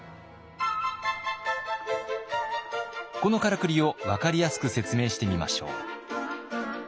このカラクリを分かりやすく説明してみましょう。